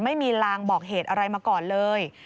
ไม่มีลางบอกเหตุอะไรมาก่อนเลย